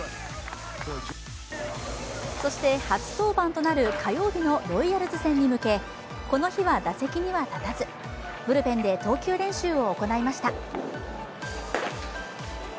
そして初登板となる火曜日のロイヤルズ戦に向けこの日は打席には立たず、ブルペンで投球練習を行いました。